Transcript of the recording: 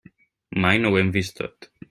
Mai no ho hem vist tot.